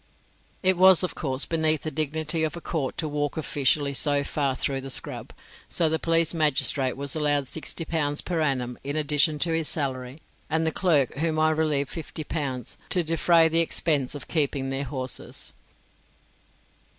It was, of course, beneath the dignity of a court to walk officially so far through the scrub; so the police magistrate was allowed sixty pounds per annum in addition to his salary, and the clerk whom I relieved fifty pounds, to defray the expense of keeping their horses.